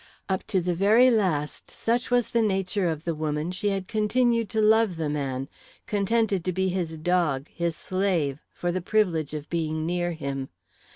Up to the very last, such was the nature of the woman, she had continued to love the man, contented to be his dog, his slave, for the privilege of being near him.